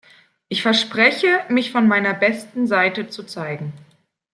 Ich verspreche, mich von meiner besten Seite zu zeigen.